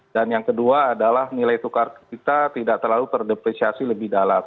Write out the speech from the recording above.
dan yang kedua adalah nilai tukar kita tidak terlalu terdepresiasi lebih dalam